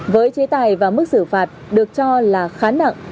với chế tài và mức xử phạt được cho là khá nặng